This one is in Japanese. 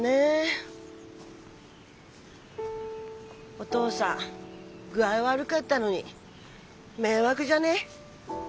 お義父さん具合悪かったのに迷惑じゃねえ？